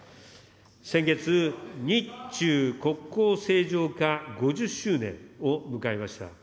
先月、日中国交正常化５０周年を迎えました。